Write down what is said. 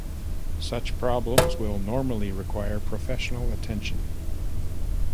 Such problems will normally require professional attention.